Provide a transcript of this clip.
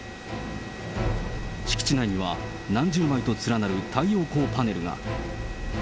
敷地内には何十枚と連なる太陽光パネルが。